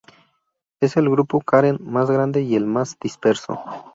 Es el grupo Karen más grande y el más disperso.